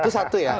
itu satu ya